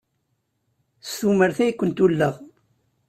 S tumert ay kent-ulleɣ.